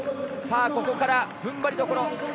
ここから踏ん張りどころ。